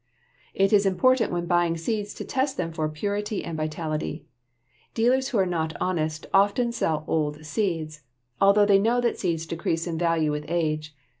It is important when buying seeds to test them for purity and vitality. Dealers who are not honest often sell old seeds, although they know that seeds decrease in value with age.